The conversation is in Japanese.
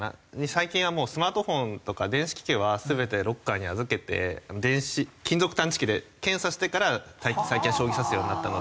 最近はスマートフォンとか電子機器は全てロッカーに預けて金属探知機で検査してから最近は将棋を指すようになったので。